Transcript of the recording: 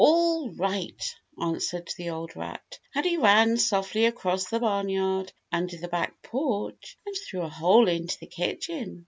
"All right," answered the old rat, and he ran softly across the barnyard, under the back porch, and through a hole into the kitchen.